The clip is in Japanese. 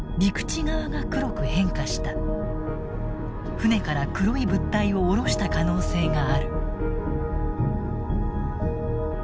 船から黒い物体を降ろした可能性がある。